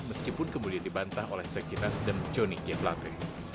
meskipun kemudian dibantah oleh seksi nasdem joni keplate